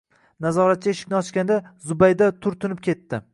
Nazoratchi eshikni ochganda Zubayda turtinib ketdi